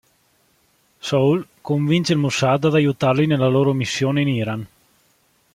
Saul convince il Mossad ad aiutarli nella loro missione in Iran.